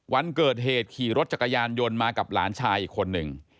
วันเกิดเหตุขี่รถจักรยานยนต์มากับหลานชายอีกคนหนึ่ง